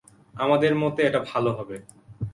আমাদের মতে এটা ভালো হবে।